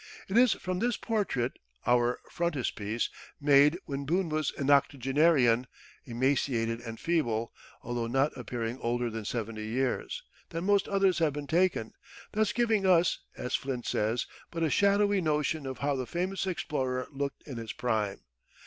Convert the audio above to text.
It is from this portrait (our frontispiece), made when Boone was an octogenarian, emaciated and feeble although not appearing older than seventy years that most others have been taken; thus giving us, as Flint says, but a shadowy notion of how the famous explorer looked in his prime.